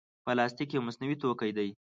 پلاستيک یو مصنوعي توکي دی.